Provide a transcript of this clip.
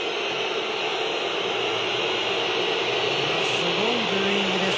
すごいブーイングです。